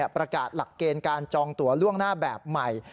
ประกาศหลักเกณฑ์การจองตัวล่วงหน้าแบบใหม่